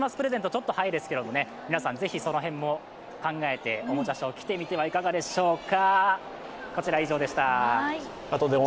ちょっと早いですけどその辺も考えておもちゃショー、来てみてはいかがでしょうか？